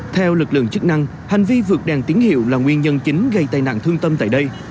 theo lực lượng chức năng hành vi vượt đèn tín hiệu là nguyên nhân chính gây tai nạn thương tâm tại đây